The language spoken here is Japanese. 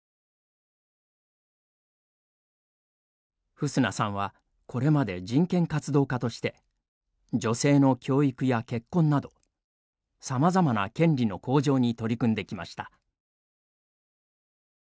フスナさんは、これまで人権活動家として女性の教育や結婚などさまざまな権利の向上に取り組んできました。